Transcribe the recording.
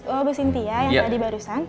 oh bu sintia yang tadi barusan